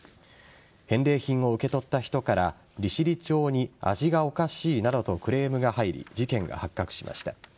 返礼品を受け取った人から利尻町に味がおかしいなどとクレームが入り事件が発覚しました。